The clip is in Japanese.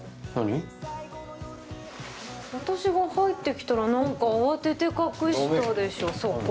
私が入ってきたら何か慌てて隠したでしょ、そこ。